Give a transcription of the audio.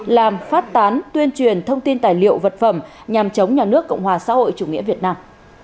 làm phát tán tuyên truyền thông tin tài liệu vật phẩm nhằm chống nhà nước cộng hòa xã hội chủ nghĩa việt nam